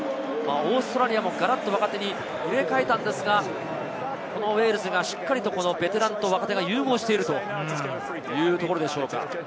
オーストラリアもガラッと若手に入れ替えたんですが、ウェールズがしっかりとベテランと若手が融合しているというところでしょうか。